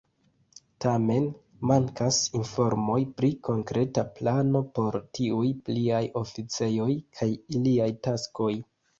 Tamen mankas informoj pri konkreta plano por tiuj "pliaj oficejoj" kaj iliaj taskoj.